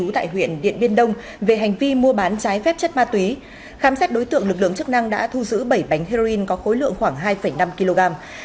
tại huyện điện biên đông về hành vi mua bán trái phép chất ma túy khám xét đối tượng lực lượng chức năng đã thu giữ bảy bánh heroin có khối lượng khoảng hai năm kg